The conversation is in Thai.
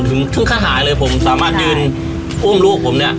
ทุกค่าหายเลยผมสามารถยืนอุ้มลูกผมเนี่ย